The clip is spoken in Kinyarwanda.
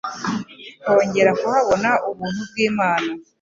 twongera kuhabona ubuntu bw'Imana